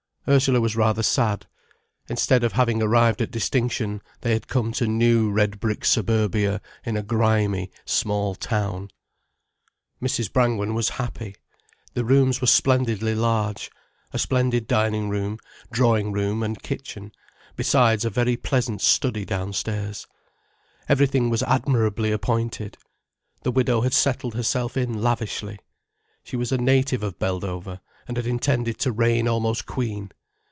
Ursula was rather sad. Instead of having arrived at distinction they had come to new red brick suburbia in a grimy, small town. Mrs. Brangwen was happy. The rooms were splendidly large—a splendid dining room, drawing room and kitchen, besides a very pleasant study downstairs. Everything was admirably appointed. The widow had settled herself in lavishly. She was a native of Beldover, and had intended to reign almost queen.